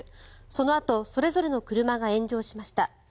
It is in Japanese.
そのあとそれぞれの車が炎上しました。